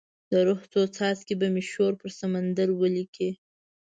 د روح څو څاڅکي به مې شور پر سمندر ولیکې